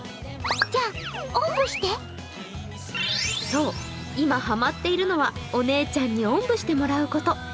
そう、今ハマっているのはお姉ちゃんにおんぶしてもらうこと。